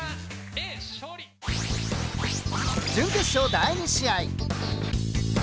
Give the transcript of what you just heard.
準決勝第２試合。